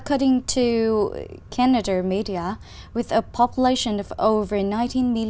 chúng tôi đang tìm ra những nơi